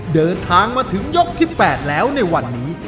เดินทางมาถึงยกที่๘แล้วในวันนี้